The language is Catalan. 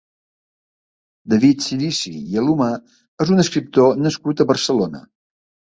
David Cirici i Alomar és un escriptor nascut a Barcelona.